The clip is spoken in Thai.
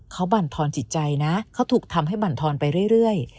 เขาบรรทอนจิตใจนะเขาถูกทำให้บรรทอนไปเรื่อย